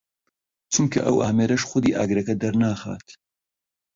چونکە ئەو ئامێرەش خودی ئاگرەکە دەرناخات